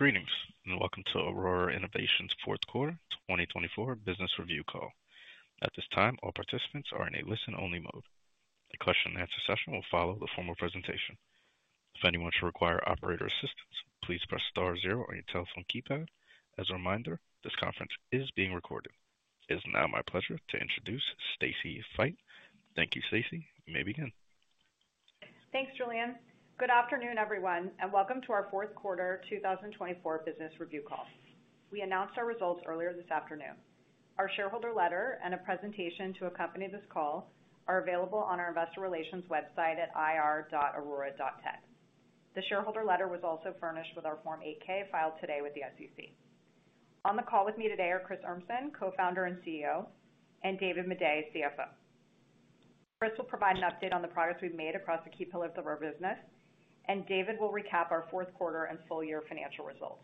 Greetings and welcome to Aurora Innovation's fourth quarter 2024 business review call. At this time, all participants are in a listen-only mode. The question-and-answer session will follow the formal presentation. If anyone should require operator assistance, please press star zero on your telephone keypad. As a reminder, this conference is being recorded. It is now my pleasure to introduce Stacy Feit. Thank you, Stacy. You may begin. Thanks, Julian. Good afternoon, everyone, and welcome to our fourth quarter 2024 business review call. We announced our results earlier this afternoon. Our shareholder letter and a presentation to accompany this call are available on our investor relations website at ir.aurora.tech. The shareholder letter was also furnished with our Form 8-K filed today with the SEC. On the call with me today are Chris Urmson, Co-founder and CEO, and David Maday, CFO. Chris will provide an update on the progress we've made across the key pillars of our business, and David will recap our fourth quarter and full-year financial results.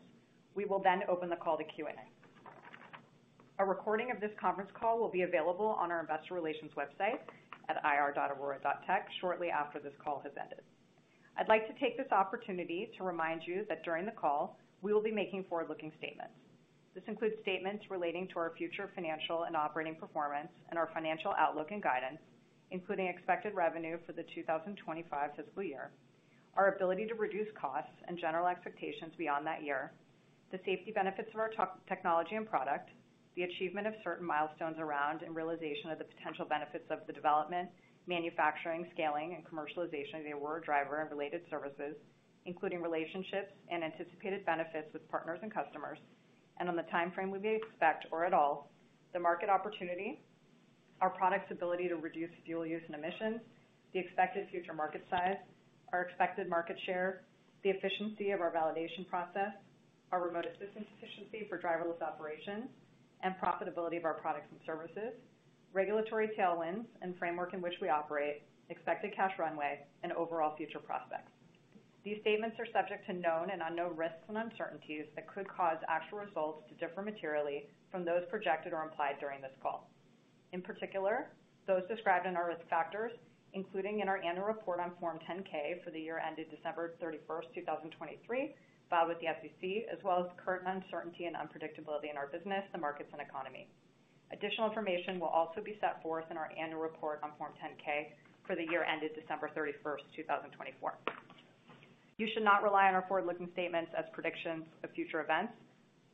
We will then open the call to Q&A. A recording of this conference call will be available on our investor relations website at ir.aurora.tech shortly after this call has ended. I'd like to take this opportunity to remind you that during the call, we will be making forward-looking statements. This includes statements relating to our future financial and operating performance and our financial outlook and guidance, including expected revenue for the 2025 fiscal year, our ability to reduce costs and general expectations beyond that year, the safety benefits of our technology and product, the achievement of certain milestones around and realization of the potential benefits of the development, manufacturing, scaling, and commercialization of the Aurora Driver and related services, including relationships and anticipated benefits with partners and customers, and on the time frame we may expect or at all, the market opportunity, our product's ability to reduce fuel use and emissions, the expected future market size, our expected market share, the efficiency of our validation process, our remote assistance efficiency for driverless operations, and profitability of our products and services, regulatory tailwinds and framework in which we operate, expected cash runway, and overall future prospects. These statements are subject to known and unknown risks and uncertainties that could cause actual results to differ materially from those projected or implied during this call. In particular, those described in our risk factors, including in our annual report on Form 10-K for the year ended December 31st, 2023, filed with the SEC, as well as current uncertainty and unpredictability in our business, the markets, and economy. Additional information will also be set forth in our annual report on Form 10-K for the year ended December 31st, 2024. You should not rely on our forward-looking statements as predictions of future events.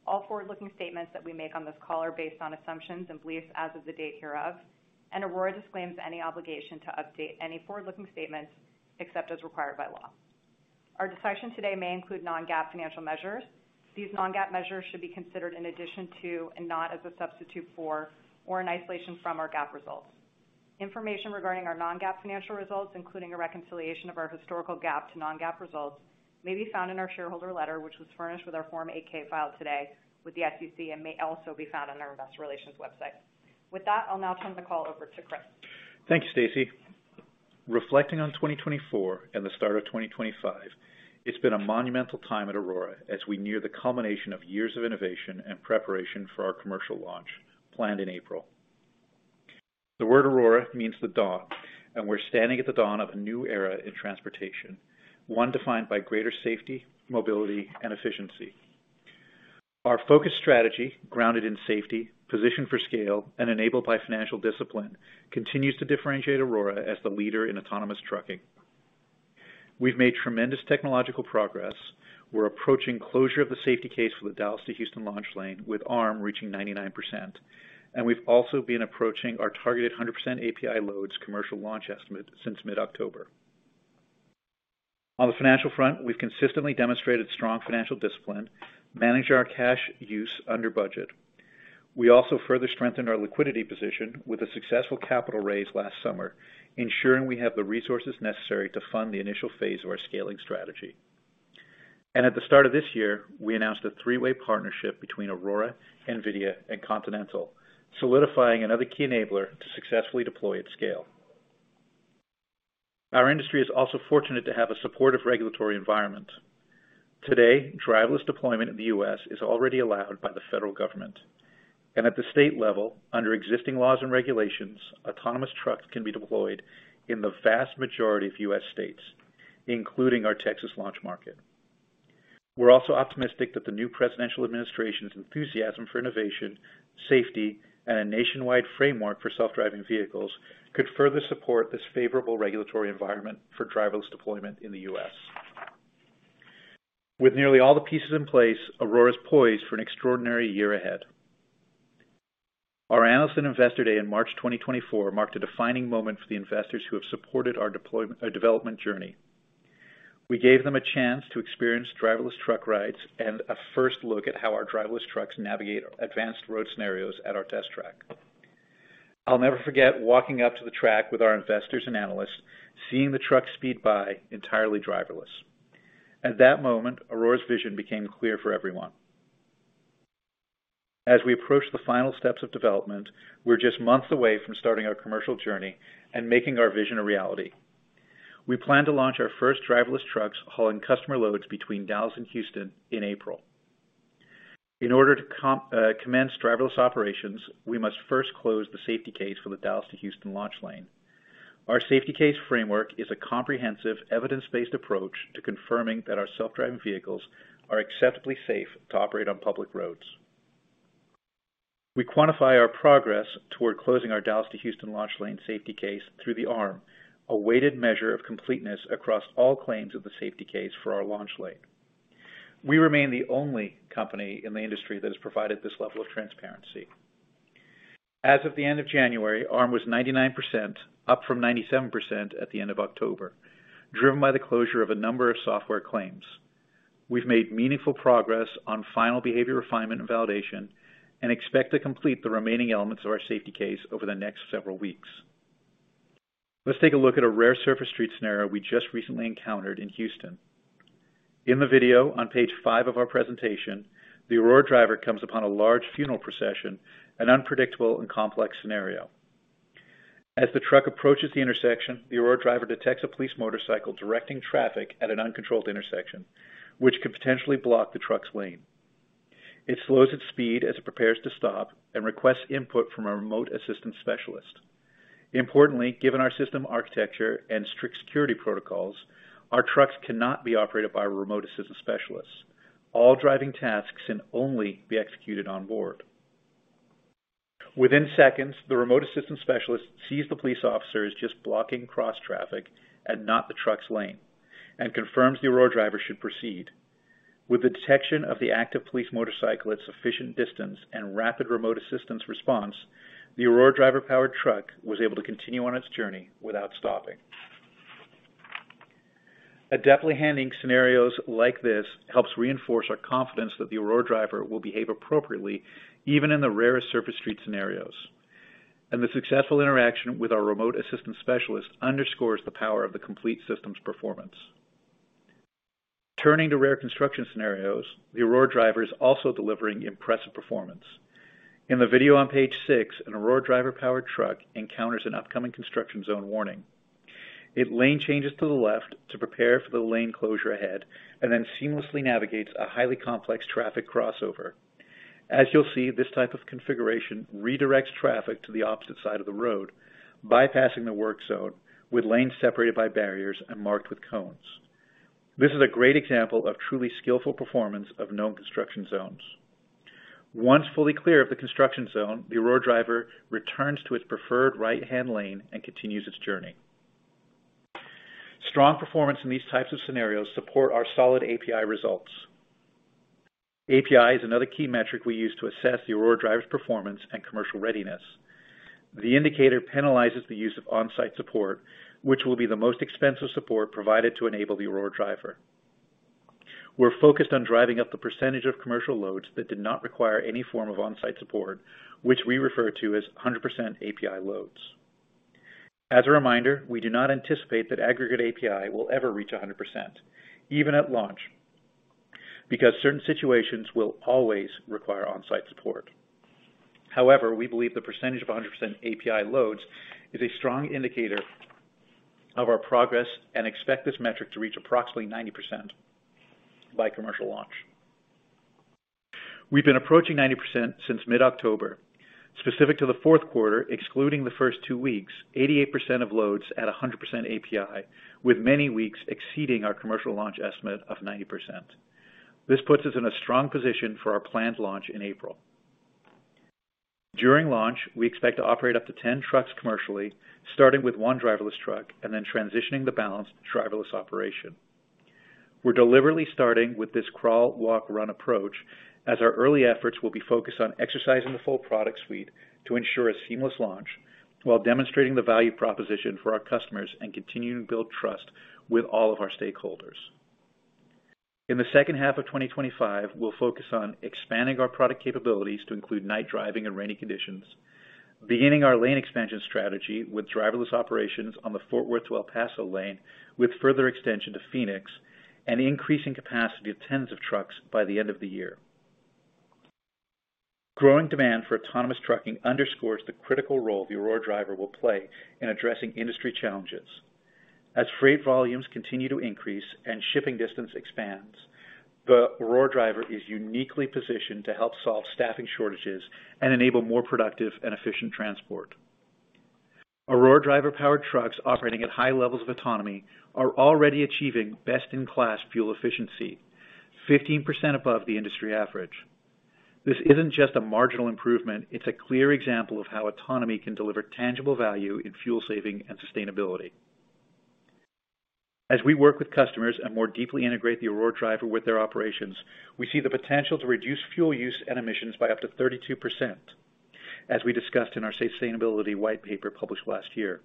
All forward-looking statements that we make on this call are based on assumptions and beliefs as of the date hereof, and Aurora disclaims any obligation to update any forward-looking statements except as required by law. Our discussion today may include non-GAAP financial measures. These non-GAAP measures should be considered in addition to and not as a substitute for or in isolation from our GAAP results. Information regarding our non-GAAP financial results, including a reconciliation of our historical GAAP to non-GAAP results, may be found in our shareholder letter, which was furnished with our Form 8-K filed today with the SEC, and may also be found on our investor relations website. With that, I'll now turn the call over to Chris. Thank you, Stacy. Reflecting on 2024 and the start of 2025, it's been a monumental time at Aurora as we near the culmination of years of innovation and preparation for our commercial launch planned in April. The word Aurora means the dawn, and we're standing at the dawn of a new era in transportation, one defined by greater safety, mobility, and efficiency. Our focused strategy, grounded in safety, positioned for scale, and enabled by financial discipline, continues to differentiate Aurora as the leader in autonomous trucking. We've made tremendous technological progress. We're approaching closure of the Safety Case for the Dallas to Houston launch lane, with ARM reaching 99%, and we've also been approaching our targeted 100% API loads commercial launch estimate since mid-October. On the financial front, we've consistently demonstrated strong financial discipline, managed our cash use under budget. We also further strengthened our liquidity position with a successful capital raise last summer, ensuring we have the resources necessary to fund the initial phase of our scaling strategy. And at the start of this year, we announced a three-way partnership between Aurora, NVIDIA, and Continental, solidifying another key enabler to successfully deploy at scale. Our industry is also fortunate to have a supportive regulatory environment. Today, driverless deployment in the U.S. is already allowed by the federal government. And at the state level, under existing laws and regulations, autonomous trucks can be deployed in the vast majority of U.S. states, including our Texas launch market. We're also optimistic that the new presidential administration's enthusiasm for innovation, safety, and a nationwide framework for self-driving vehicles could further support this favorable regulatory environment for driverless deployment in the U.S. With nearly all the pieces in place, Aurora is poised for an extraordinary year ahead. Our analysts and investor day in March 2024 marked a defining moment for the investors who have supported our development journey. We gave them a chance to experience driverless truck rides and a first look at how our driverless trucks navigate advanced road scenarios at our test track. I'll never forget walking up to the track with our investors and analysts, seeing the truck speed by entirely driverless. At that moment, Aurora's vision became clear for everyone. As we approach the final steps of development, we're just months away from starting our commercial journey and making our vision a reality. We plan to launch our first driverless trucks hauling customer loads between Dallas and Houston in April. In order to commence driverless operations, we must first close the Safety Case for the Dallas to Houston launch lane. Our Safety Case framework is a comprehensive, evidence-based approach to confirming that our self-driving vehicles are acceptably safe to operate on public roads. We quantify our progress toward closing our Dallas to Houston launch lane Safety Case through the ARM, a weighted measure of completeness across all claims of the Safety Case for our launch lane. We remain the only company in the industry that has provided this level of transparency. As of the end of January, ARM was 99%, up from 97% at the end of October, driven by the closure of a number of software claims. We've made meaningful progress on final behavior refinement and validation and expect to complete the remaining elements of our Safety Case over the next several weeks. Let's take a look at a rare surface street scenario we just recently encountered in Houston. In the video on page five of our presentation, the Aurora Driver comes upon a large funeral procession, an unpredictable and complex scenario. As the truck approaches the intersection, the Aurora Driver detects a police motorcycle directing traffic at an uncontrolled intersection, which could potentially block the truck's lane. It slows its speed as it prepares to stop and requests input from a Remote Assistance specialist. Importantly, given our system architecture and strict security protocols, our trucks cannot be operated by Remote Assistance specialists. All driving tasks can only be executed on board. Within seconds, the Remote Assistance specialist sees the police officers just blocking cross traffic and not the truck's lane, and confirms the Aurora Driver should proceed. With the detection of the active police motorcycle at sufficient distance and rapid Remote Assistance response, the Aurora Driver-powered truck was able to continue on its journey without stopping. Adeptly handling scenarios like this helps reinforce our confidence that the Aurora Driver will behave appropriately even in the rarest surface street scenarios. The successful interaction with our Remote Assistance specialist underscores the power of the complete system's performance. Turning to rare construction scenarios, the Aurora Driver is also delivering impressive performance. In the video on page six, an Aurora Driver-powered truck encounters an upcoming construction zone warning. It lane changes to the left to prepare for the lane closure ahead and then seamlessly navigates a highly complex traffic crossover. As you'll see, this type of configuration redirects traffic to the opposite side of the road, bypassing the work zone with lanes separated by barriers and marked with cones. This is a great example of truly skillful performance of known construction zones. Once fully clear of the construction zone, the Aurora Driver returns to its preferred right-hand lane and continues its journey. Strong performance in these types of scenarios supports our solid API results. API is another key metric we use to assess the Aurora Driver's performance and commercial readiness. The indicator penalizes the use of on-site support, which will be the most expensive support provided to enable the Aurora Driver. We're focused on driving up the percentage of commercial loads that did not require any form of on-site support, which we refer to as 100% API loads. As a reminder, we do not anticipate that aggregate API will ever reach 100%, even at launch, because certain situations will always require on-site support. However, we believe the percentage of 100% API loads is a strong indicator of our progress and expect this metric to reach approximately 90% by commercial launch. We've been approaching 90% since mid-October. Specific to the fourth quarter, excluding the first two weeks, 88% of loads at 100% API, with many weeks exceeding our commercial launch estimate of 90%. This puts us in a strong position for our planned launch in April. During launch, we expect to operate up to 10 trucks commercially, starting with one driverless truck and then transitioning the balance to driverless operation. We're deliberately starting with this crawl, walk, run approach as our early efforts will be focused on exercising the full product suite to ensure a seamless launch while demonstrating the value proposition for our customers and continuing to build trust with all of our stakeholders. In the second half of 2025, we'll focus on expanding our product capabilities to include night driving and rainy conditions, beginning our lane expansion strategy with driverless operations on the Fort Worth to El Paso lane, with further extension to Phoenix, and increasing capacity of tens of trucks by the end of the year. Growing demand for autonomous trucking underscores the critical role the Aurora Driver will play in addressing industry challenges. As freight volumes continue to increase and shipping distance expands, the Aurora Driver is uniquely positioned to help solve staffing shortages and enable more productive and efficient transport. Aurora Driver-powered trucks operating at high levels of autonomy are already achieving best-in-class fuel efficiency, 15% above the industry average. This isn't just a marginal improvement. It's a clear example of how autonomy can deliver tangible value in fuel saving and sustainability. As we work with customers and more deeply integrate the Aurora Driver with their operations, we see the potential to reduce fuel use and emissions by up to 32%, as we discussed in our sustainability white paper published last year.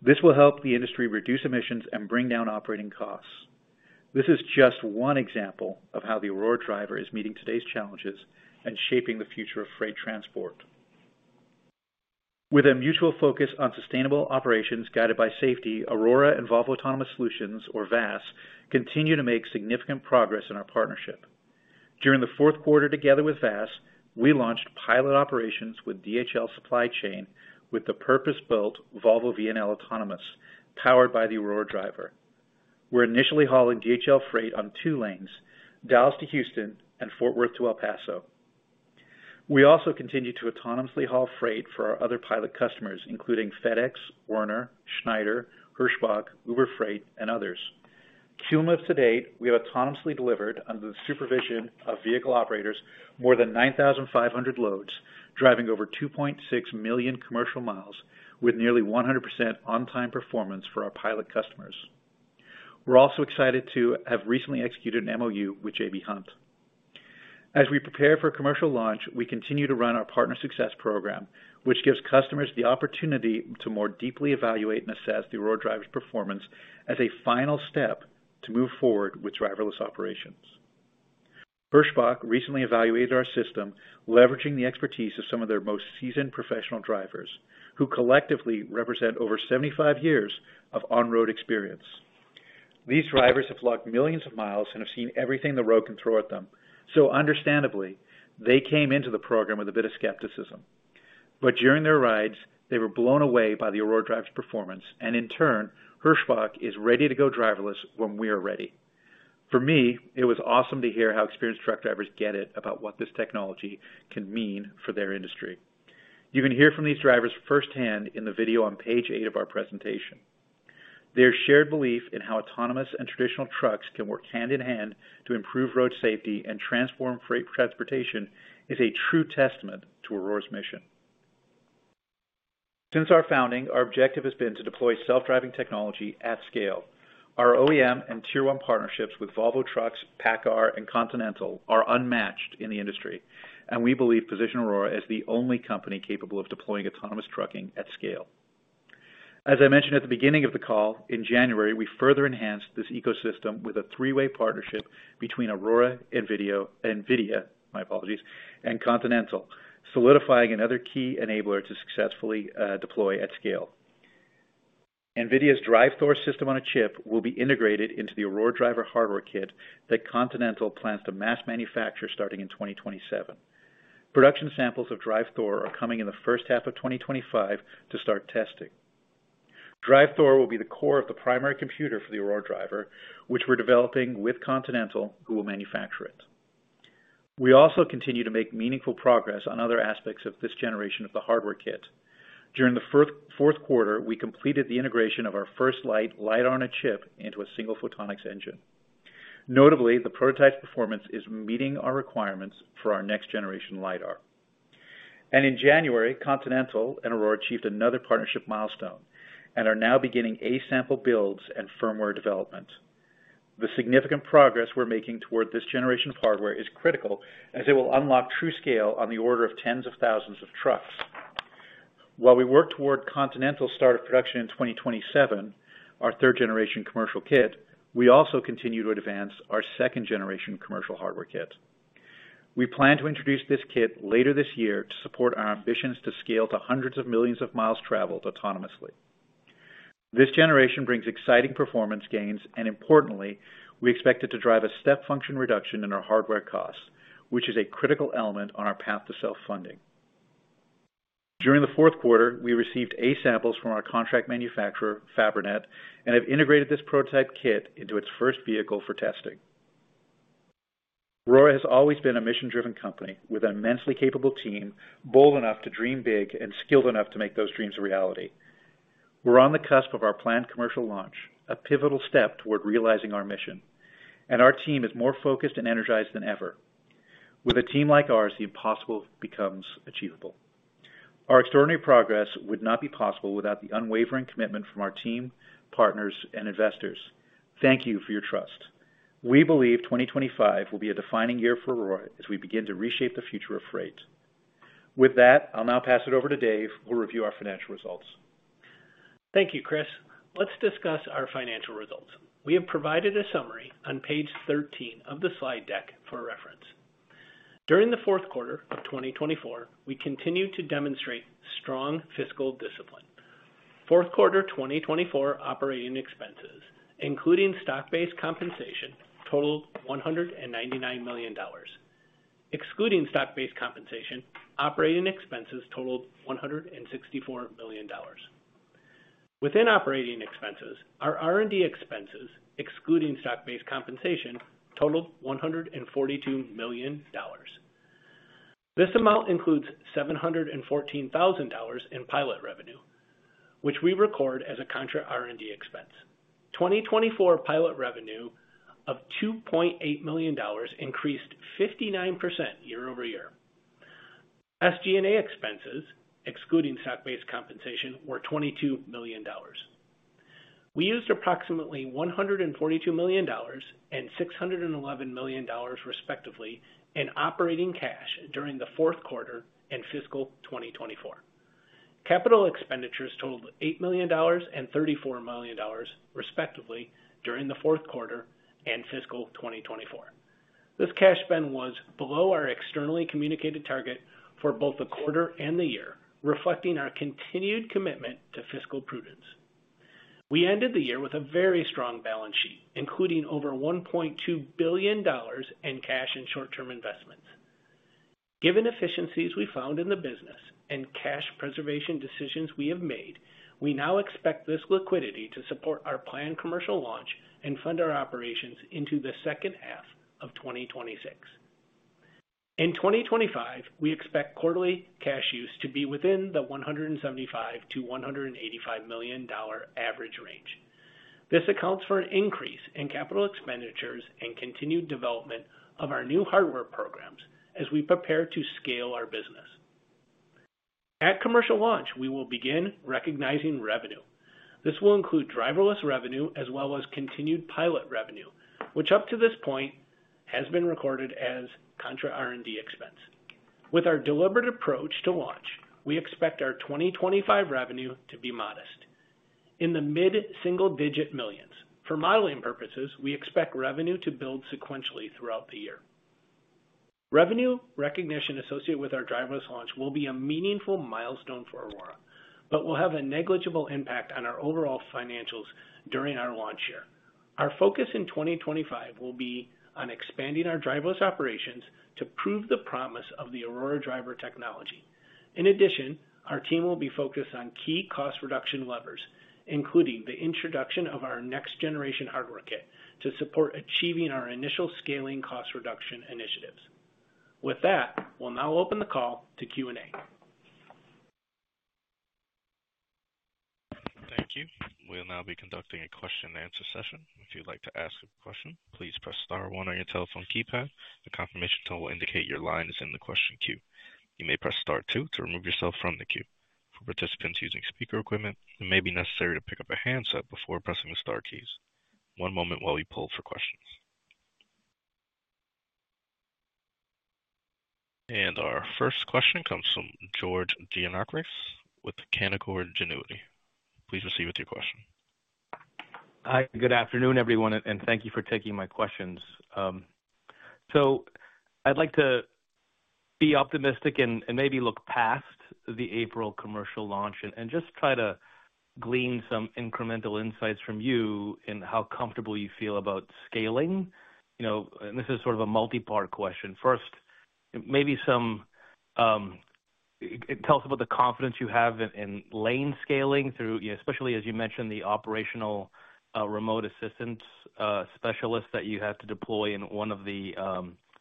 This will help the industry reduce emissions and bring down operating costs. This is just one example of how the Aurora Driver is meeting today's challenges and shaping the future of freight transport. With a mutual focus on sustainable operations guided by safety, Aurora and Volvo Autonomous Solutions, or VAS, continue to make significant progress in our partnership. During the fourth quarter, together with VAS, we launched pilot operations with DHL Supply Chain with the purpose-built Volvo VNL Autonomous, powered by the Aurora Driver. We're initially hauling DHL freight on two lanes, Dallas to Houston and Fort Worth to El Paso. We also continue to autonomously haul freight for our other pilot customers, including FedEx, Werner, Schneider, Hirschbach, Uber Freight, and others. Cumulative to date, we have autonomously delivered under the supervision of vehicle operators more than 9,500 loads, driving over 2.6 million commercial miles with nearly 100% on-time performance for our pilot customers. We're also excited to have recently executed an MOU with J.B. Hunt. As we prepare for commercial launch, we continue to run our Partner Success Program, which gives customers the opportunity to more deeply evaluate and assess the Aurora Driver's performance as a final step to move forward with driverless operations. Hirschbach recently evaluated our system, leveraging the expertise of some of their most seasoned professional drivers, who collectively represent over 75 years of on-road experience. These drivers have logged millions of miles and have seen everything the road can throw at them. So understandably, they came into the program with a bit of skepticism. But during their rides, they were blown away by the Aurora Driver's performance. And in turn, Hirschbach is ready to go driverless when we are ready. For me, it was awesome to hear how experienced truck drivers get it about what this technology can mean for their industry. You can hear from these drivers firsthand in the video on page eight of our presentation. Their shared belief in how autonomous and traditional trucks can work hand in hand to improve road safety and transform freight transportation is a true testament to Aurora's mission. Since our founding, our objective has been to deploy self-driving technology at scale. Our OEM and tier-one partnerships with Volvo Trucks, PACCAR, and Continental are unmatched in the industry. And we believe this positions Aurora as the only company capable of deploying autonomous trucking at scale. As I mentioned at the beginning of the call, in January, we further enhanced this ecosystem with a three-way partnership between Aurora, NVIDIA, and Continental, solidifying another key enabler to successfully deploy at scale. NVIDIA's DRIVE Thor system on a chip will be integrated into the Aurora Driver hardware kit that Continental plans to mass manufacture starting in 2027. Production samples of DRIVE Thor are coming in the first half of 2025 to start testing. DRIVE Thor will be the core of the primary computer for the Aurora Driver, which we're developing with Continental who will manufacture it. We also continue to make meaningful progress on other aspects of this generation of the hardware kit. During the fourth quarter, we completed the integration of our FirstLight Lidar on a chip into a silicon photonics engine. Notably, the prototype's performance is meeting our requirements for our next generation Lidar. In January, Continental and Aurora achieved another partnership milestone and are now beginning A-sample builds and firmware development. The significant progress we're making toward this generation of hardware is critical as it will unlock true scale on the order of tens of thousands of trucks. While we work toward Continental's start of production in 2027, our third-generation commercial kit, we also continue to advance our second-generation commercial hardware kit. We plan to introduce this kit later this year to support our ambitions to scale to hundreds of millions of miles traveled autonomously. This generation brings exciting performance gains, and importantly, we expect it to drive a step function reduction in our hardware costs, which is a critical element on our path to self-funding. During the fourth quarter, we received A-samples from our contract manufacturer, Fabrinet, and have integrated this prototype kit into its first vehicle for testing. Aurora has always been a mission-driven company with an immensely capable team, bold enough to dream big and skilled enough to make those dreams a reality. We're on the cusp of our planned commercial launch, a pivotal step toward realizing our mission, and our team is more focused and energized than ever. With a team like ours, the impossible becomes achievable. Our extraordinary progress would not be possible without the unwavering commitment from our team, partners, and investors. Thank you for your trust. We believe 2025 will be a defining year for Aurora as we begin to reshape the future of freight. With that, I'll now pass it over to Dave, who will review our financial results. Thank you, Chris. Let's discuss our financial results. We have provided a summary on page 13 of the slide deck for reference. During the fourth quarter of 2024, we continue to demonstrate strong fiscal discipline. Fourth quarter 2024 operating expenses, including stock-based compensation, totaled $199 million. Excluding stock-based compensation, operating expenses totaled $164 million. Within operating expenses, our R&D expenses, excluding stock-based compensation, totaled $142 million. This amount includes $714,000 in pilot revenue, which we record as a contra R&D expense. 2024 pilot revenue of $2.8 million increased 59% year-over-year. SG&A expenses, excluding stock-based compensation, were $22 million. We used approximately $142 million and $611 million, respectively, in operating cash during the fourth quarter and fiscal 2024. Capital expenditures totaled $8 million and $34 million, respectively, during the fourth quarter and fiscal 2024. This cash spend was below our externally communicated target for both the quarter and the year, reflecting our continued commitment to fiscal prudence. We ended the year with a very strong balance sheet, including over $1.2 billion in cash and short-term investments. Given efficiencies we found in the business and cash preservation decisions we have made, we now expect this liquidity to support our planned commercial launch and fund our operations into the second half of 2026. In 2025, we expect quarterly cash use to be within the $175-$185 million average range. This accounts for an increase in capital expenditures and continued development of our new hardware programs as we prepare to scale our business. At commercial launch, we will begin recognizing revenue. This will include driverless revenue as well as continued pilot revenue, which up to this point has been recorded as contra R&D expense. With our deliberate approach to launch, we expect our 2025 revenue to be modest, in the mid-single-digit millions. For modeling purposes, we expect revenue to build sequentially throughout the year. Revenue recognition associated with our driverless launch will be a meaningful milestone for Aurora, but will have a negligible impact on our overall financials during our launch year. Our focus in 2025 will be on expanding our driverless operations to prove the promise of the Aurora Driver technology. In addition, our team will be focused on key cost reduction levers, including the introduction of our next-generation hardware kit to support achieving our initial scaling cost reduction initiatives. With that, we'll now open the call to Q&A. Thank you. We'll now be conducting a question-and-answer session. If you'd like to ask a question, please press star one on your telephone keypad. The confirmation tool will indicate your line is in the question queue. You may press star two to remove yourself from the queue. For participants using speaker equipment, it may be necessary to pick up a handset before pressing the Star keys. One moment while we pull for questions. And our first question comes from George Gianarikas with Canaccord Genuity. Please proceed with your question. Hi, good afternoon, everyone, and thank you for taking my questions. So I'd like to be optimistic and maybe look past the April commercial launch and just try to glean some incremental insights from you in how comfortable you feel about scaling. And this is sort of a multi-part question. First, maybe tell us about the confidence you have in lane scaling, especially as you mentioned the operational remote assistance specialists that you have to deploy in one of the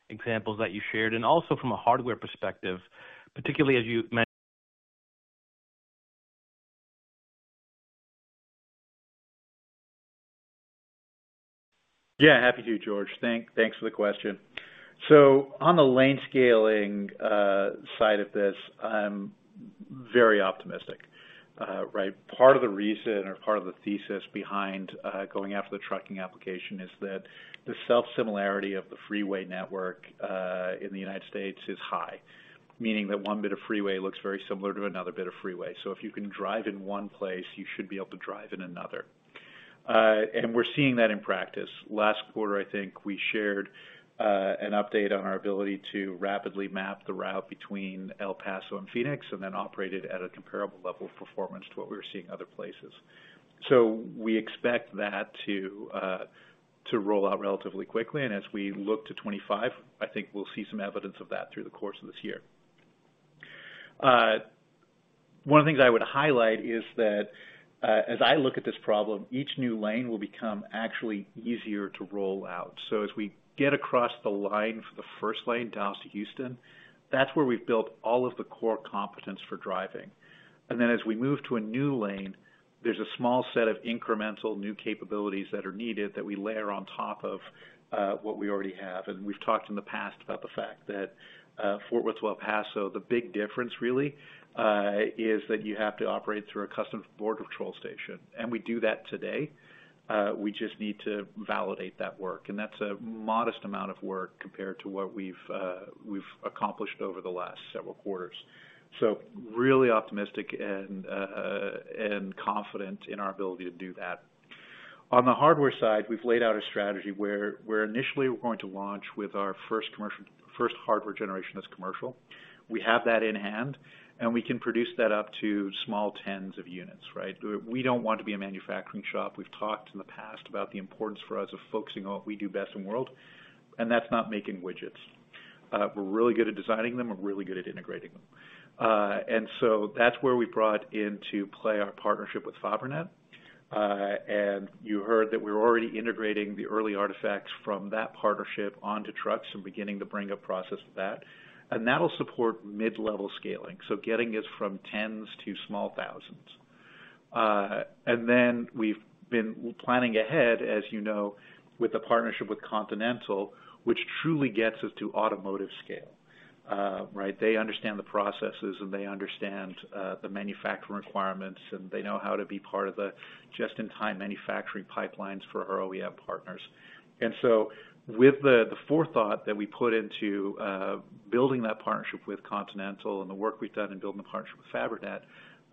examples that you shared. And also from a hardware perspective, particularly as you mentioned. Yeah, happy to, George. Thanks for the question. So on the lane scaling side of this, I'm very optimistic, right? Part of the reason or part of the thesis behind going after the trucking application is that the self-similarity of the freeway network in the United States is high, meaning that one bit of freeway looks very similar to another bit of freeway. So if you can drive in one place, you should be able to drive in another. And we're seeing that in practice. Last quarter, I think we shared an update on our ability to rapidly map the route between El Paso and Phoenix and then operated at a comparable level of performance to what we were seeing other places. So we expect that to roll out relatively quickly. And as we look to 2025, I think we'll see some evidence of that through the course of this year. One of the things I would highlight is that as I look at this problem, each new lane will become actually easier to roll out, so as we get across the line for the first lane, Dallas to Houston, that's where we've built all of the core competence for driving, and then as we move to a new lane, there's a small set of incremental new capabilities that are needed that we layer on top of what we already have, and we've talked in the past about the fact that Fort Worth to El Paso, the big difference really is that you have to operate through a customs border patrol station, and we do that today, we just need to validate that work, and that's a modest amount of work compared to what we've accomplished over the last several quarters. So really optimistic and confident in our ability to do that. On the hardware side, we've laid out a strategy where initially we're going to launch with our first hardware generation that's commercial. We have that in hand, and we can produce that up to small tens of units, right? We don't want to be a manufacturing shop. We've talked in the past about the importance for us of focusing on what we do best in the world, and that's not making widgets. We're really good at designing them. We're really good at integrating them. And so that's where we brought into play our partnership with Fabrinet. And you heard that we're already integrating the early artifacts from that partnership onto trucks and beginning the bring-up process for that. And that'll support mid-level scaling. So getting us from tens to small thousands. And then we've been planning ahead, as you know, with the partnership with Continental, which truly gets us to automotive scale, right? They understand the processes, and they understand the manufacturing requirements, and they know how to be part of the just-in-time manufacturing pipelines for our OEM partners. And so with the forethought that we put into building that partnership with Continental and the work we've done in building the partnership with Fabrinet,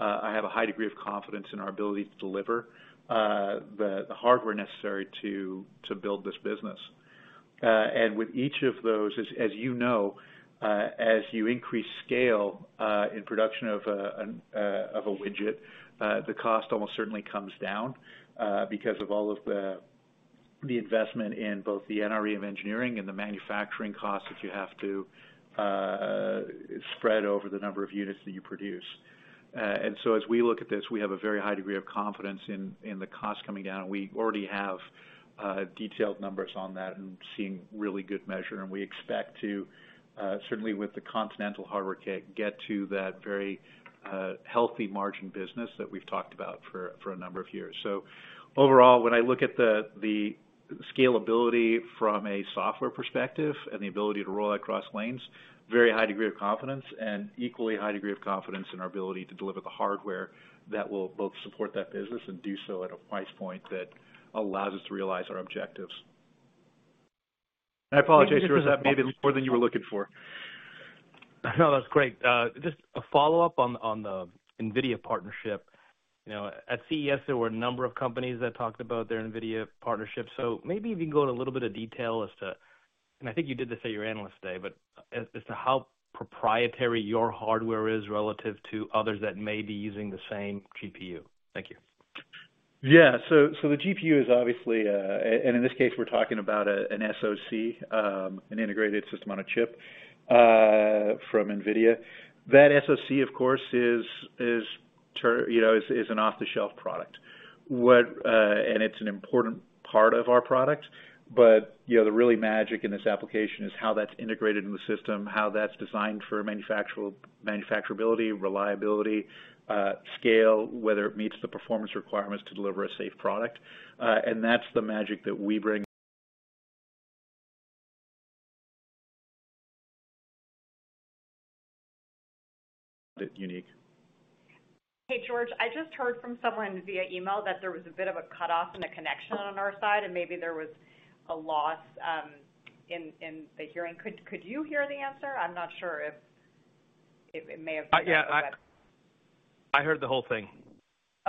I have a high degree of confidence in our ability to deliver the hardware necessary to build this business. And with each of those, as you know, as you increase scale in production of a widget, the cost almost certainly comes down because of all of the investment in both the NRE of engineering and the manufacturing costs that you have to spread over the number of units that you produce. And so as we look at this, we have a very high degree of confidence in the cost coming down. We already have detailed numbers on that and seeing really good measure. And we expect to, certainly with the Continental hardware, get to that very healthy margin business that we've talked about for a number of years. So overall, when I look at the scalability from a software perspective and the ability to roll across lanes, very high degree of confidence and equally high degree of confidence in our ability to deliver the hardware that will both support that business and do so at a price point that allows us to realize our objectives. I apologize, George. That may be more than you were looking for. No, that's great. Just a follow-up on the NVIDIA partnership. At CES, there were a number of companies that talked about their NVIDIA partnership. So maybe if you can go into a little bit of detail as to, and I think you did this at your analyst day, but as to how proprietary your hardware is relative to others that may be using the same GPU. Thank you. Yeah. So the GPU is obviously, and in this case, we're talking about an SOC, an integrated system on a chip from NVIDIA. That SOC, of course, is an off-the-shelf product. And it's an important part of our product. But the real magic in this application is how that's integrated in the system, how that's designed for manufacturability, reliability, scale, whether it meets the performance requirements to deliver a safe product. And that's the magic that we bring. Unique. Hey, George, I just heard from someone via email that there was a bit of a cutoff in the connection on our side, and maybe there was a loss in the hearing. Could you hear the answer? I'm not sure if it may have been cut off. Yeah. I heard the whole thing.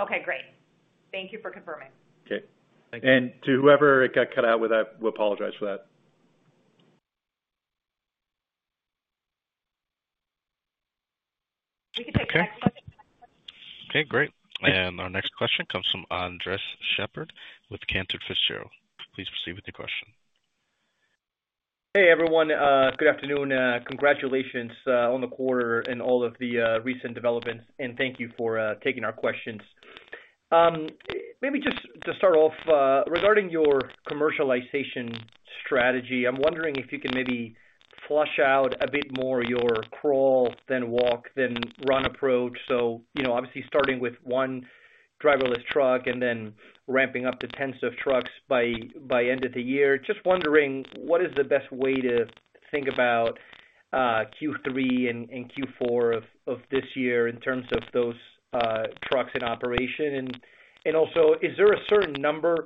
Okay. Great. Thank you for confirming. Okay. Thank you. And to whoever it got cut out with, I apologize for that. We can take the next question. Okay. Great. And our next question comes from Andres Sheppard with Cantor Fitzgerald. Please proceed with your question. Hey, everyone. Good afternoon. Congratulations on the quarter and all of the recent developments. And thank you for taking our questions. Maybe just to start off, regarding your commercialization strategy, I'm wondering if you can maybe flesh out a bit more your crawl, then walk, then run approach. So obviously, starting with one driverless truck and then ramping up to tens of trucks by end of the year. Just wondering, what is the best way to think about Q3 and Q4 of this year in terms of those trucks in operation? And also, is there a certain number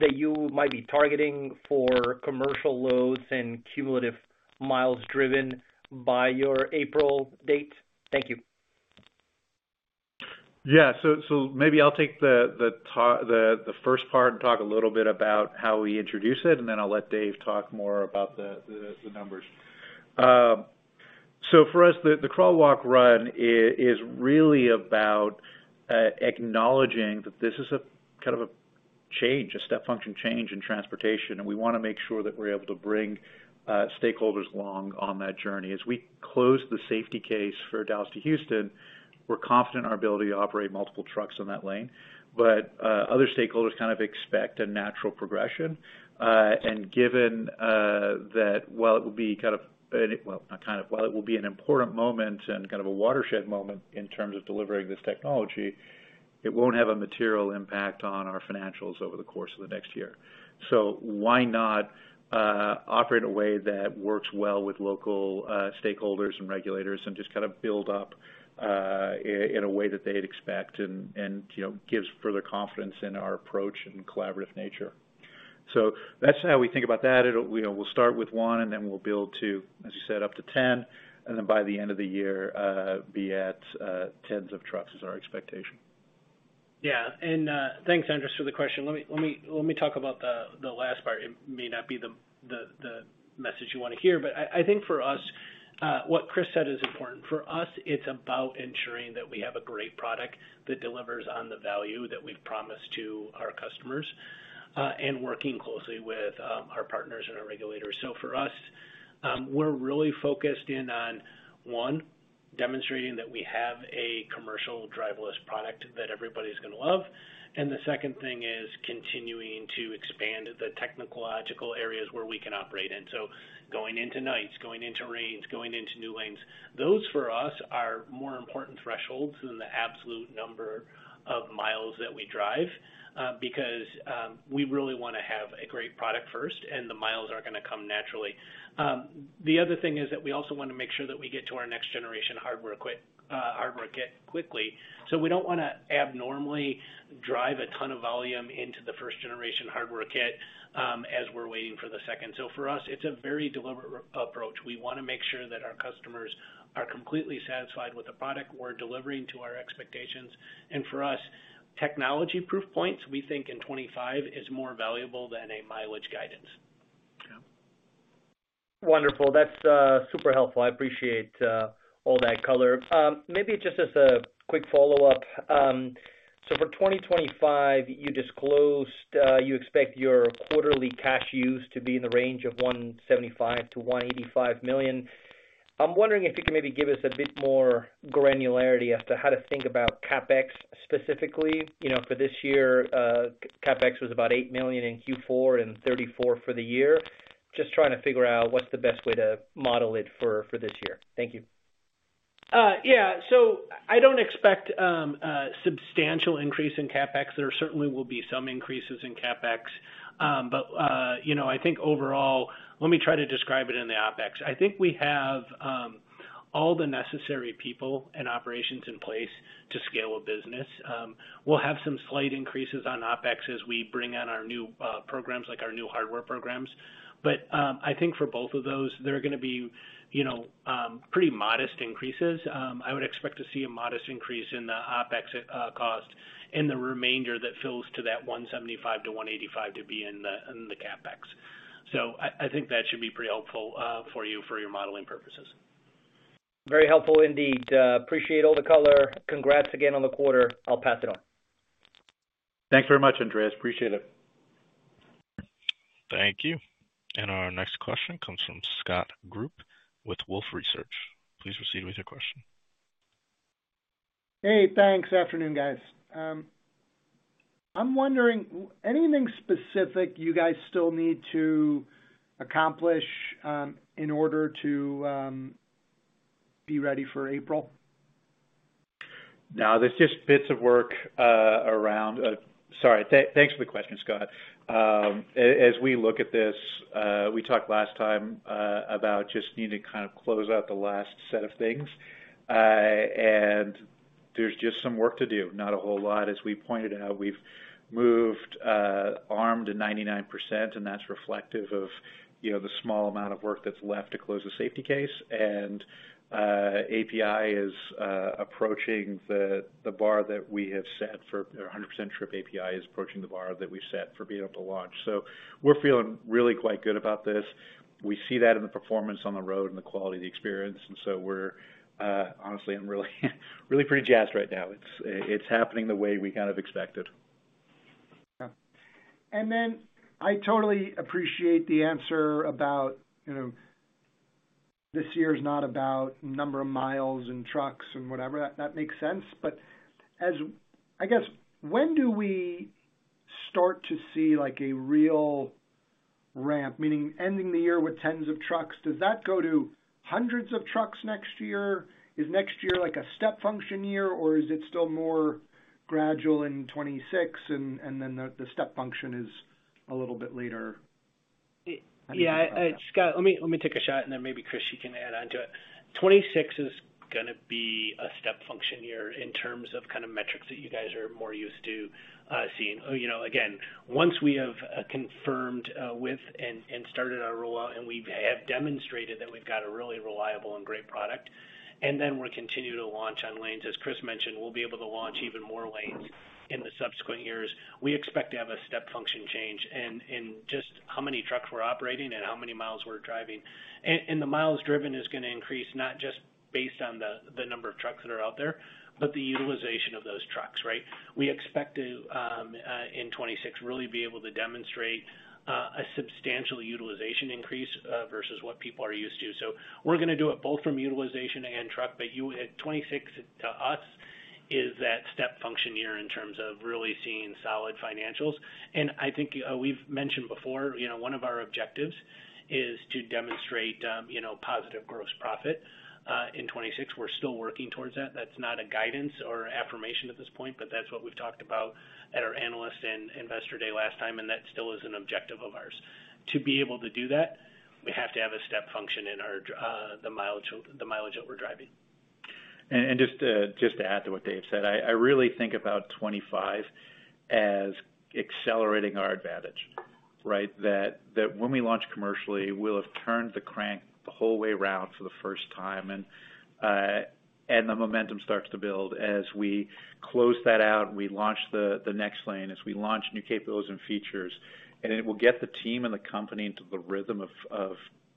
that you might be targeting for commercial loads and cumulative miles driven by your April date? Thank you. Yeah. So maybe I'll take the first part and talk a little bit about how we introduce it, and then I'll let Dave talk more about the numbers. So for us, the crawl, walk, run is really about acknowledging that this is a kind of a change, a step function change in transportation. And we want to make sure that we're able to bring stakeholders along on that journey. As we close the Safety Case for Dallas to Houston, we're confident in our ability to operate multiple trucks in that lane. But other stakeholders kind of expect a natural progression. And given that while it will be kind of, well, not kind of, while it will be an important moment and kind of a watershed moment in terms of delivering this technology, it won't have a material impact on our financials over the course of the next year. So why not operate in a way that works well with local stakeholders and regulators and just kind of build up in a way that they'd expect and gives further confidence in our approach and collaborative nature? So that's how we think about that. We'll start with one, and then we'll build to, as you said, up to 10. And then, by the end of the year, be at tens of trucks is our expectation. Yeah. And thanks, Andres, for the question. Let me talk about the last part. It may not be the message you want to hear. But I think for us, what Chris said is important. For us, it's about ensuring that we have a great product that delivers on the value that we've promised to our customers and working closely with our partners and our regulators. So for us, we're really focused in on, one, demonstrating that we have a commercial driverless product that everybody's going to love. And the second thing is continuing to expand the technological areas where we can operate in. So going into nights, going into rains, going into new lanes, those for us are more important thresholds than the absolute number of miles that we drive because we really want to have a great product first, and the miles are going to come naturally. The other thing is that we also want to make sure that we get to our next-generation hardware kit quickly. So we don't want to abnormally drive a ton of volume into the first-generation hardware kit as we're waiting for the second. So for us, it's a very deliberate approach. We want to make sure that our customers are completely satisfied with the product we're delivering to our expectations. And for us, technology proof points, we think in 2025 is more valuable than a mileage guidance. Okay. Wonderful. That's super helpful. I appreciate all that color. Maybe just as a quick follow-up, so for 2025, you disclosed you expect your quarterly cash use to be in the range of $175 million-$185 million. I'm wondering if you can maybe give us a bit more granularity as to how to think about CapEx specifically. For this year, CapEx was about $8 million in Q4 and $34 million for the year. Just trying to figure out what's the best way to model it for this year. Thank you. Yeah. So I don't expect a substantial increase in CapEx. There certainly will be some increases in CapEx. But I think overall, let me try to describe it in the OpEx. I think we have all the necessary people and operations in place to scale a business. We'll have some slight increases on OpEx as we bring on our new programs, like our new hardware programs. But I think for both of those, there are going to be pretty modest increases. I would expect to see a modest increase in the OpEx cost and the remainder that fills to that $175 million-$185 million to be in the CapEx. So I think that should be pretty helpful for you for your modeling purposes. Very helpful indeed. Appreciate all the color. Congrats again on the quarter. I'll pass it on. Thanks very much, Andres. Appreciate it. Thank you. And our next question comes from Scott Group with Wolfe Research. Please proceed with your question. Hey, thanks. Afternoon, guys. I'm wondering, anything specific you guys still need to accomplish in order to be ready for April? No, there's just bits of work around. Sorry. Thanks for the question, Scott. As we look at this, we talked last time about just needing to kind of close out the last set of things, and there's just some work to do, not a whole lot. As we pointed out, we've moved ARM to 99%, and that's reflective of the small amount of work that's left to close the Safety Case. API is approaching the bar that we have set for 100% trip. API is approaching the bar that we've set for being able to launch. So we're feeling really quite good about this. We see that in the performance on the road and the quality of the experience, and so we're honestly, I'm really pretty jazzed right now. It's happening the way we kind of expected. Yeah, and then I totally appreciate the answer about this year is not about number of miles and trucks and whatever. That makes sense. But I guess, when do we start to see a real ramp, meaning ending the year with tens of trucks? Does that go to hundreds of trucks next year? Is next year like a step function year, or is it still more gradual in 2026, and then the step function is a little bit later? Yeah. Scott, let me take a shot, and then maybe Chris, you can add on to it. 2026 is going to be a step function year in terms of kind of metrics that you guys are more used to seeing. Again, once we have confirmed with and started our rollout, and we have demonstrated that we've got a really reliable and great product, and then we're continuing to launch on lanes. As Chris mentioned, we'll be able to launch even more lanes in the subsequent years. We expect to have a step function change in just how many trucks we're operating and how many miles we're driving. And the miles driven is going to increase not just based on the number of trucks that are out there, but the utilization of those trucks, right? We expect to, in 2026, really be able to demonstrate a substantial utilization increase versus what people are used to. So we're going to do it both from utilization and truck. But 2026, to us, is that step function year in terms of really seeing solid financials. And I think we've mentioned before, one of our objectives is to demonstrate positive gross profit in 2026. We're still working towards that. That's not a guidance or affirmation at this point, but that's what we've talked about at our Analyst and Investor Day last time. And that still is an objective of ours. To be able to do that, we have to have a step function in the mileage that we're driving. And just to add to what Dave said, I really think about 2025 as accelerating our advantage, right? That when we launch commercially, we'll have turned the crank the whole way around for the first time. And the momentum starts to build as we close that out, we launch the next lane, as we launch new capabilities and features. And it will get the team and the company into the rhythm of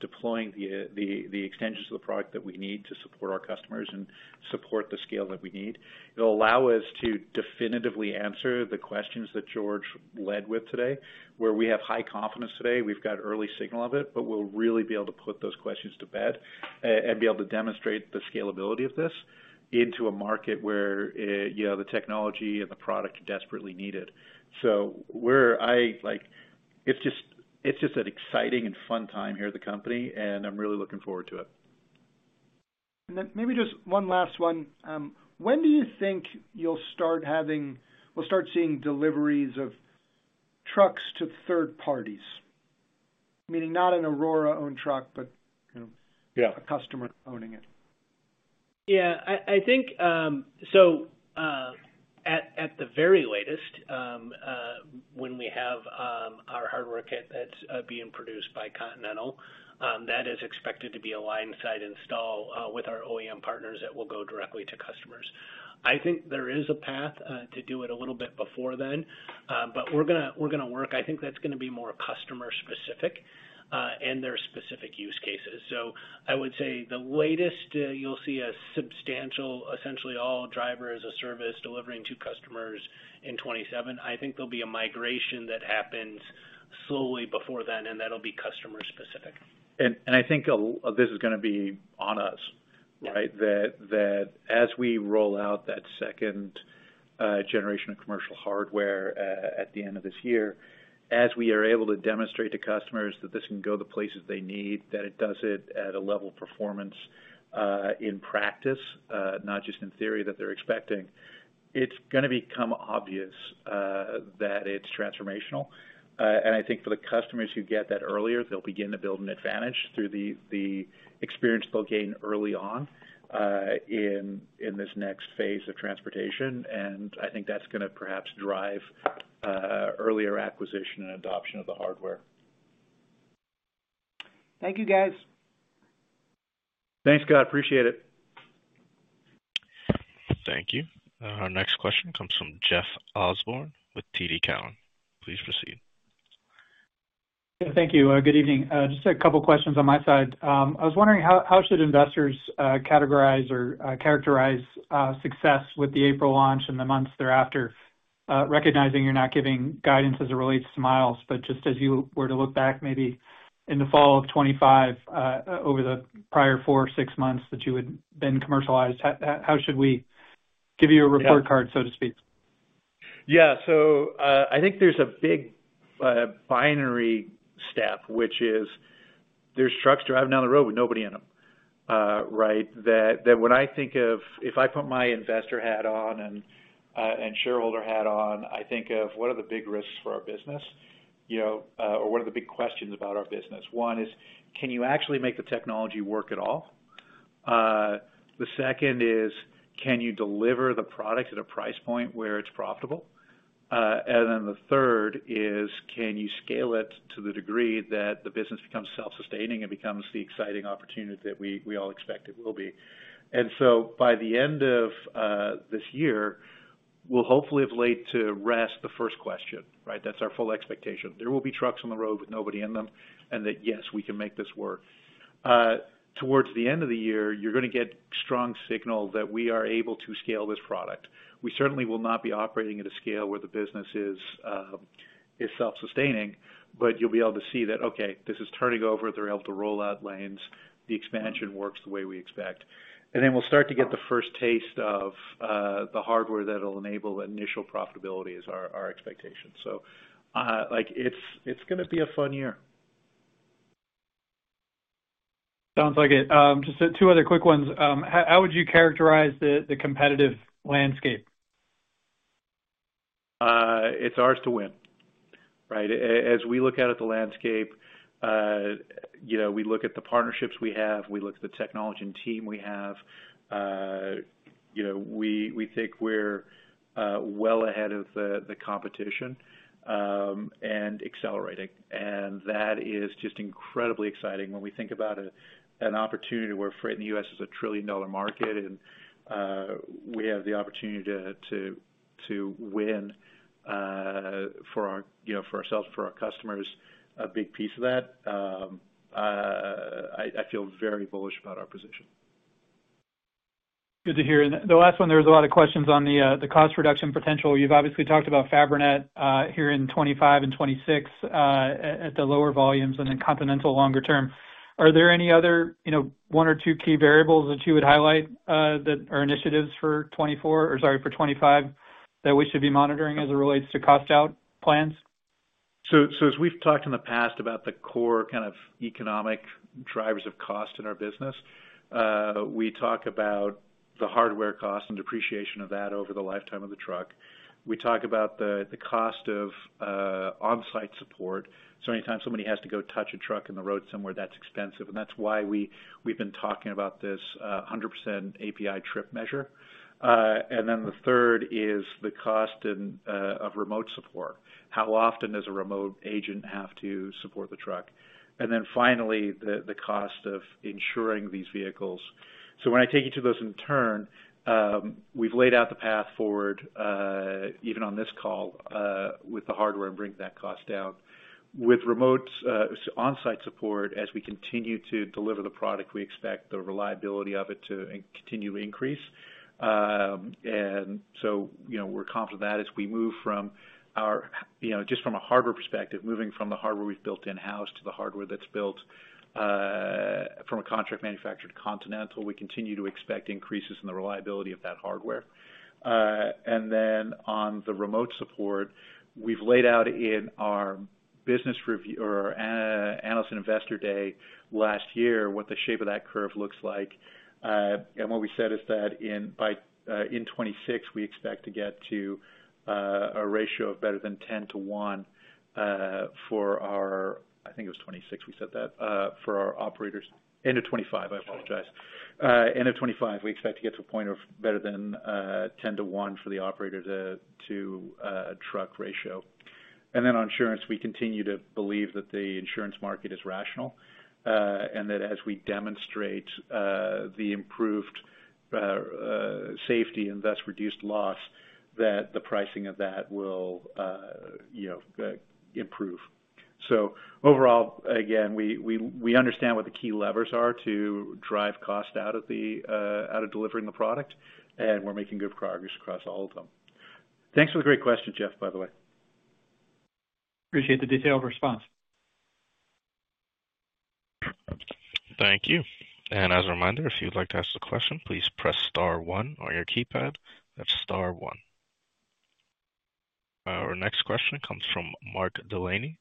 deploying the extensions of the product that we need to support our customers and support the scale that we need. It'll allow us to definitively answer the questions that George led with today, where we have high confidence today. We've got early signal of it, but we'll really be able to put those questions to bed and be able to demonstrate the scalability of this into a market where the technology and the product are desperately needed. So it's just an exciting and fun time here at the company, and I'm really looking forward to it. And then maybe just one last one. When do you think you'll start having we'll start seeing deliveries of trucks to third parties? Meaning not an Aurora-owned truck, but a customer owning it. Yeah. So at the very latest, when we have our hardware kit that's being produced by Continental, that is expected to be a line-side install with our OEM partners that will go directly to customers. I think there is a path to do it a little bit before then, but we're going to work. I think that's going to be more customer-specific and their specific use cases. So I would say at the latest, you'll see a substantial, essentially all Driver-as-a-Service delivering to customers in 2027. I think there'll be a migration that happens slowly before then, and that'll be customer-specific. And I think this is going to be on us, right? That as we roll out that second generation of commercial hardware at the end of this year, as we are able to demonstrate to customers that this can go the places they need, that it does it at a level of performance in practice, not just in theory, that they're expecting, it's going to become obvious that it's transformational. And I think for the customers who get that earlier, they'll begin to build an advantage through the experience they'll gain early on in this next phase of transportation. And I think that's going to perhaps drive earlier acquisition and adoption of the hardware. Thank you, guys. Thanks, Scott. Appreciate it. Thank you. Our next question comes from Jeff Osborne with TD Cowen. Please proceed. Thank you. Good evening. Just a couple of questions on my side. I was wondering, how should investors categorize or characterize success with the April launch and the months thereafter, recognizing you're not giving guidance as it relates to miles, but just as you were to look back maybe in the fall of 2025 over the prior four or six months that you had been commercialized? How should we give you a report card, so to speak? Yeah. So I think there's a big binary step, which is there's trucks driving down the road with nobody in them, right? That when I think of if I put my investor hat on and shareholder hat on, I think of what are the big risks for our business or what are the big questions about our business? One is, can you actually make the technology work at all? The second is, can you deliver the product at a price point where it's profitable? And then the third is, can you scale it to the degree that the business becomes self-sustaining and becomes the exciting opportunity that we all expect it will be? And so by the end of this year, we'll hopefully have laid to rest the first question, right? That's our full expectation. There will be trucks on the road with nobody in them and that, yes, we can make this work. Toward the end of the year, you're going to get a strong signal that we are able to scale this product. We certainly will not be operating at a scale where the business is self-sustaining, but you'll be able to see that, okay, this is turning over. They're able to roll out lanes. The expansion works the way we expect. And then we'll start to get the first taste of the hardware that will enable initial profitability is our expectation. So it's going to be a fun year. Sounds like it. Just two other quick ones. How would you characterize the competitive landscape? It's ours to win, right? As we look at the landscape, we look at the partnerships we have. We look at the technology and team we have. We think we're well ahead of the competition and accelerating. And that is just incredibly exciting when we think about an opportunity where freight in the U.S. is a trillion-dollar market and we have the opportunity to win for ourselves and for our customers, a big piece of that. I feel very bullish about our position. Good to hear. And the last one, there was a lot of questions on the cost reduction potential. You've obviously talked about Fabrinet here in 2025 and 2026 at the lower volumes and then Continental longer term. Are there any other one or two key variables that you would highlight that are initiatives for 2024 or sorry, for 2025 that we should be monitoring as it relates to cost-out plans? So as we've talked in the past about the core kind of economic drivers of cost in our business, we talk about the hardware cost and depreciation of that over the lifetime of the truck. We talk about the cost of on-site support. So anytime somebody has to go touch a truck in the road somewhere, that's expensive. And that's why we've been talking about this 100% API trip measure. And then the third is the cost of remote support. How often does a remote agent have to support the truck? And then finally, the cost of insuring these vehicles. So when I take you to those in turn, we've laid out the path forward even on this call with the hardware and bring that cost down. With remote on-site support, as we continue to deliver the product, we expect the reliability of it to continue to increase. We're confident that as we move from our just from a hardware perspective, moving from the hardware we've built in-house to the hardware that's built from a contract manufacturer Continental, we continue to expect increases in the reliability of that hardware. On the remote support, we've laid out in our business review or our Analyst and Investor Day last year what the shape of that curve looks like. What we said is that in 2026, we expect to get to a ratio of better than 10 to one for our. I think it was 2026 we said that for our operators. End of 2025, I apologize. End of 2025, we expect to get to a point of better than 10 to one for the operator to truck ratio. And then on insurance, we continue to believe that the insurance market is rational and that as we demonstrate the improved safety and thus reduced loss, that the pricing of that will improve. So overall, again, we understand what the key levers are to drive cost out of delivering the product, and we're making good progress across all of them. Thanks for the great question, Jeff, by the way. Appreciate the detailed response. Thank you. And as a reminder, if you'd like to ask a question, please press star one on your keypad. That's star one. Our next question comes from Mark Delaney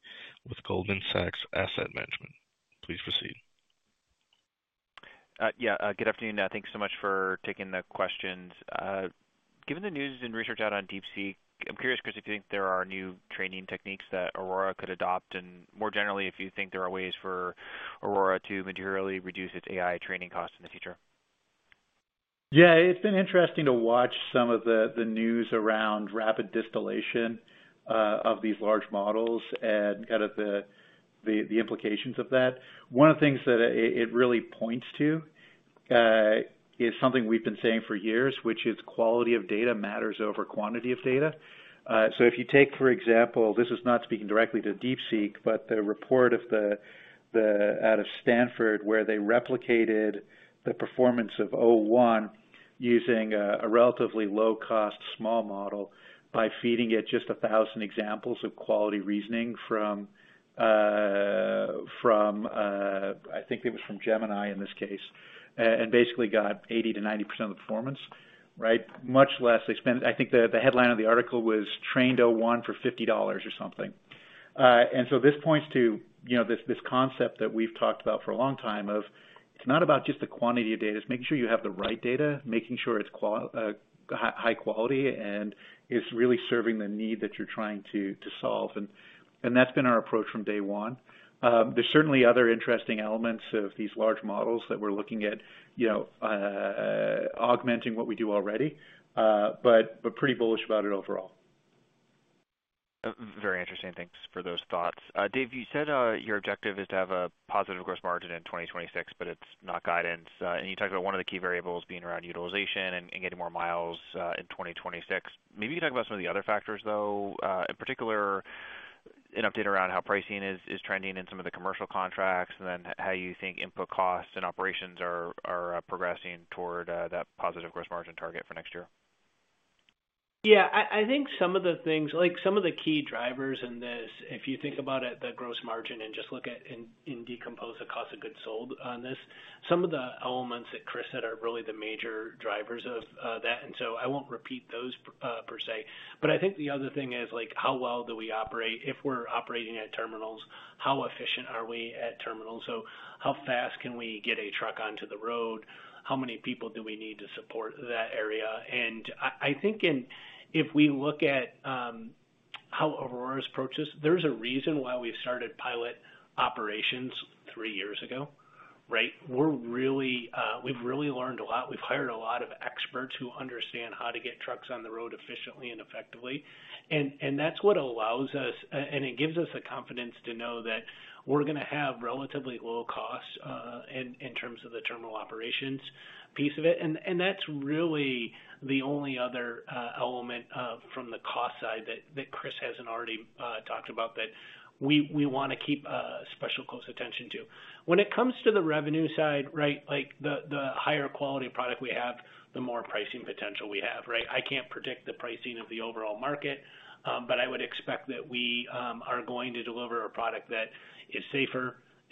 with Goldman Sachs Asset Management. Please proceed. Yeah. Good afternoon. Thanks so much for taking the questions. Given the news and research out on DeepSeek, I'm curious, Chris, if you think there are new training techniques that Aurora could adopt? And more generally, if you think there are ways for Aurora to materially reduce its AI training costs in the future. Yeah. It's been interesting to watch some of the news around rapid distillation of these large models and kind of the implications of that. One of the things that it really points to is something we've been saying for years, which is quality of data matters over quantity of data. So if you take, for example, this is not speaking directly to DeepSeek, but the report out of Stanford where they replicated the performance of o1 using a relatively low-cost small model by feeding it just 1,000 examples of quality reasoning from, I think it was from Gemini in this case, and basically got 80%-90% of the performance, right? Much less expensive. I think the headline of the article was, "Trained O1 for $50 or something." This points to this concept that we've talked about for a long time of it's not about just the quantity of data. It's making sure you have the right data, making sure it's high quality, and it's really serving the need that you're trying to solve. That's been our approach from day one. There's certainly other interesting elements of these large models that we're looking at augmenting what we do already, but pretty bullish about it overall. Very interesting. Thanks for those thoughts. Dave, you said your objective is to have a positive gross margin in 2026, but it's not guidance. You talked about one of the key variables being around utilization and getting more miles in 2026. Maybe you can talk about some of the other factors, though, in particular, an update around how pricing is trending in some of the commercial contracts, and then how you think input costs and operations are progressing toward that positive gross margin target for next year. Yeah. I think some of the things, some of the key drivers in this, if you think about it, the gross margin and just look at and decompose the cost of goods sold on this, some of the elements that Chris said are really the major drivers of that. And so I won't repeat those per se. But I think the other thing is how well do we operate? If we're operating at terminals, how efficient are we at terminals? So how fast can we get a truck onto the road? How many people do we need to support that area? And I think if we look at how Aurora's approaches, there's a reason why we started pilot operations three years ago, right? We've really learned a lot. We've hired a lot of experts who understand how to get trucks on the road efficiently and effectively. And that's what allows us, and it gives us the confidence to know that we're going to have relatively low costs in terms of the terminal operations piece of it. And that's really the only other element from the cost side that Chris hasn't already talked about that we want to keep special close attention to. When it comes to the revenue side, right, the higher quality product we have, the more pricing potential we have, right? I can't predict the pricing of the overall market, but I would expect that we are going to deliver a product that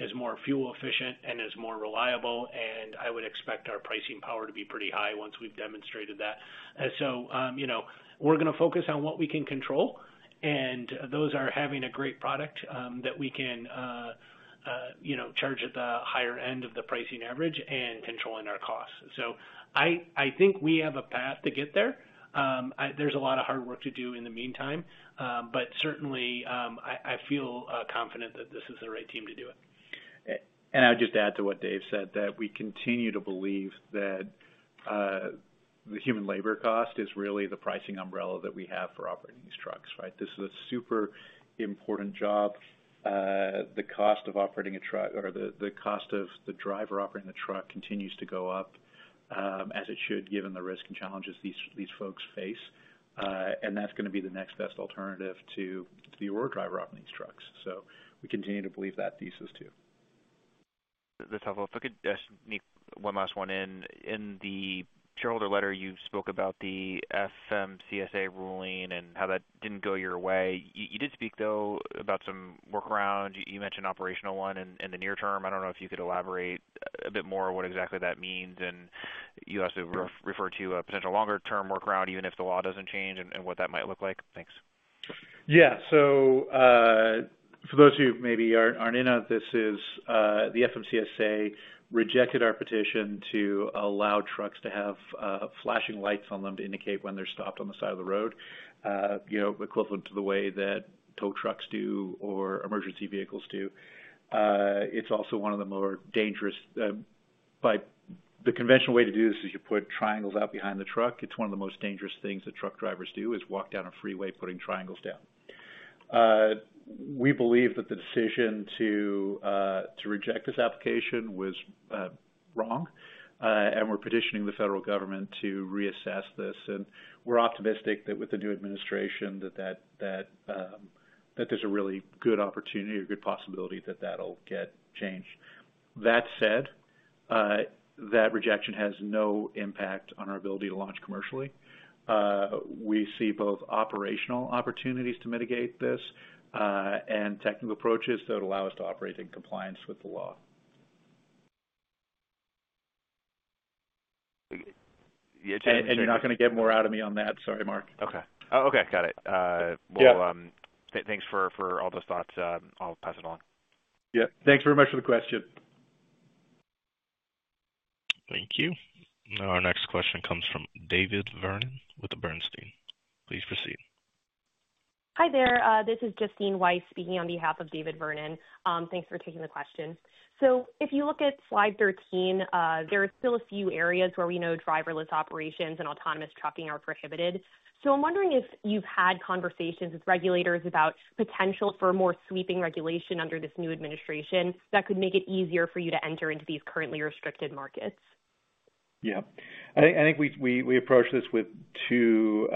is safer, is more fuel efficient, and is more reliable, and I would expect our pricing power to be pretty high once we've demonstrated that. And so we're going to focus on what we can control, and those are having a great product that we can charge at the higher end of the pricing average and controlling our costs. So I think we have a path to get there. There's a lot of hard work to do in the meantime, but certainly, I feel confident that this is the right team to do it. And I would just add to what Dave said that we continue to believe that the human labor cost is really the pricing umbrella that we have for operating these trucks, right? This is a super important job. The cost of operating a truck or the cost of the driver operating the truck continues to go up as it should, given the risk and challenges these folks face. And that's going to be the next best alternative to the Aurora Driver operating these trucks. So we continue to believe that thesis too. That's helpful. If I could just sneak one last one in. In the shareholder letter, you spoke about the FMCSA ruling and how that didn't go your way. You did speak, though, about some workaround. You mentioned operational one in the near term. I don't know if you could elaborate a bit more on what exactly that means. And you also referred to a potential longer-term workaround, even if the law doesn't change, and what that might look like. Thanks. Yeah. So for those who maybe aren't in on this, the FMCSA rejected our petition to allow trucks to have flashing lights on them to indicate when they're stopped on the side of the road, equivalent to the way that tow trucks do or emergency vehicles do. It's also one of the more dangerous. By the conventional way to do this is you put triangles out behind the truck. It's one of the most dangerous things that truck drivers do is walk down a freeway putting triangles down. We believe that the decision to reject this application was wrong, and we're petitioning the federal government to reassess this, and we're optimistic that with the new administration, that there's a really good opportunity or good possibility that that'll get changed. That said, that rejection has no impact on our ability to launch commercially. We see both operational opportunities to mitigate this and technical approaches that would allow us to operate in compliance with the law. And you're not going to get more out of me on that. Sorry, Mark. Okay. Oh, okay. Got it. Well, thanks for all those thoughts. I'll pass it along. Yeah. Thanks very much for the question. Thank you. Our next question comes from David Vernon with Bernstein. Please proceed. Hi there. This is Justine Weiss speaking on behalf of David Vernon. Thanks for taking the question. So if you look at slide 13, there are still a few areas where we know driverless operations and autonomous trucking are prohibited. So I'm wondering if you've had conversations with regulators about potential for more sweeping regulation under this new administration that could make it easier for you to enter into these currently restricted markets. Yeah. I think we approach this with two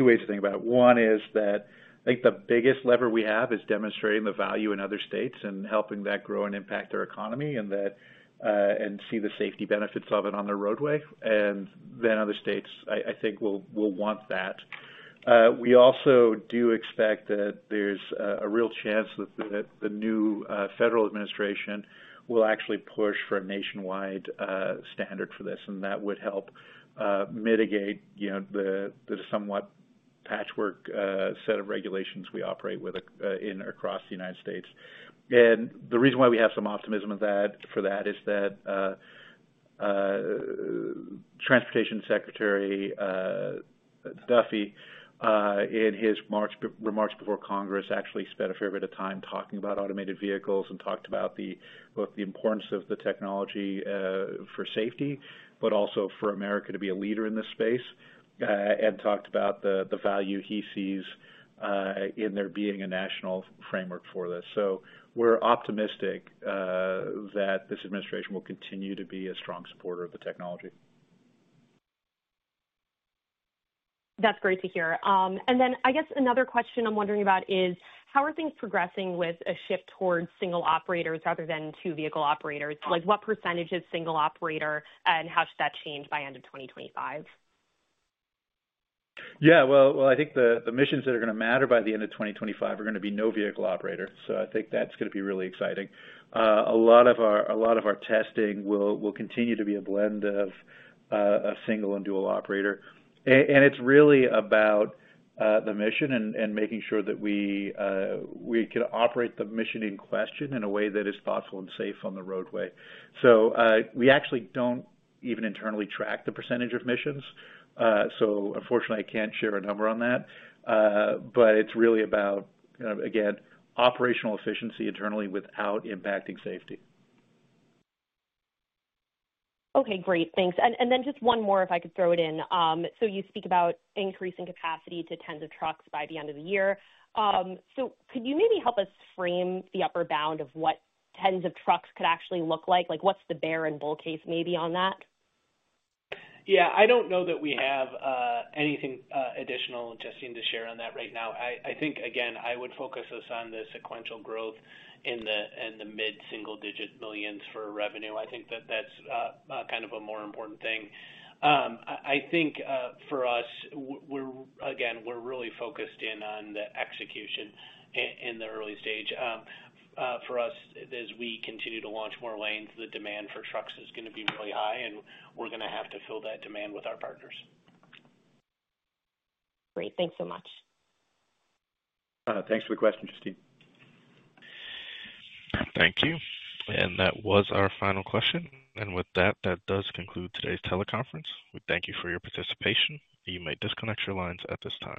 ways to think about it. One is that I think the biggest lever we have is demonstrating the value in other states and helping that grow and impact their economy and see the safety benefits of it on their roadway, and then other states, I think, will want that. We also do expect that there's a real chance that the new federal administration will actually push for a nationwide standard for this, and that would help mitigate the somewhat patchwork set of regulations we operate with across the United States. And the reason why we have some optimism for that is that Transportation Secretary Duffy, in his remarks before Congress, actually spent a fair bit of time talking about automated vehicles and talked about both the importance of the technology for safety, but also for America to be a leader in this space, and talked about the value he sees in there being a national framework for this. So we're optimistic that this administration will continue to be a strong supporter of the technology. That's great to hear. And then I guess another question I'm wondering about is, how are things progressing with a shift towards single operators rather than two vehicle operators? What percentage is single operator, and how should that change by end of 2025? Yeah. Well, I think the missions that are going to matter by the end of 2025 are going to be no vehicle operators. So I think that's going to be really exciting. A lot of our testing will continue to be a blend of single and dual operator. And it's really about the mission and making sure that we can operate the mission in question in a way that is thoughtful and safe on the roadway. So we actually don't even internally track the percentage of missions. So unfortunately, I can't share a number on that. But it's really about, again, operational efficiency internally without impacting safety. Okay. Great. Thanks. And then just one more, if I could throw it in. So you speak about increasing capacity to tens of trucks by the end of the year. So could you maybe help us frame the upper bound of what tens of trucks could actually look like? What's the bear and bull case maybe on that? Yeah. I don't know that we have anything additional, Justine, to share on that right now. I think, again, I would focus us on the sequential growth in the mid-single-digit millions for revenue. I think that that's kind of a more important thing. I think for us, again, we're really focused in on the execution in the early stage. For us, as we continue to launch more lanes, the demand for trucks is going to be really high, and we're going to have to fill that demand with our partners. Great. Thanks so much. Thanks for the question, Justine. Thank you. And that was our final question. And with that, that does conclude today's teleconference. We thank you for your participation. You may disconnect your lines at this time.